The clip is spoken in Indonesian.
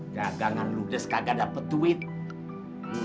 jangan harap aku bisa